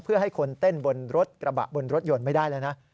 เพื่อให้คนเต้นบนรถกระบะบนรถยนต์ไม่ได้แล้วนะ